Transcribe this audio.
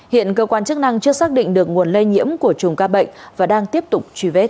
hiện cơ quan chức năng chưa xác định được nguồn lây nhiễm của chùm ca bệnh và đang tiếp tục truy vết